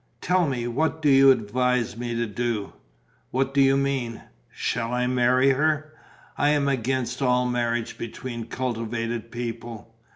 "Tell me, what do you advise me to do?" "What do you mean?" "Shall I marry her?" "I am against all marriage, between cultivated people."